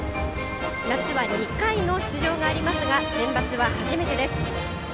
夏は２回の出場がありますがセンバツは初めてです。